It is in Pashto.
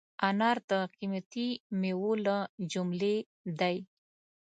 انار د قیمتي مېوو له جملې دی.